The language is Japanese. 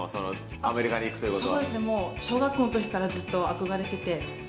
アメリカに行くということは。